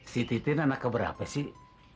si titin anak keberapa sih